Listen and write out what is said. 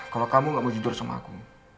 kalau kamu gak mau tidur sama aku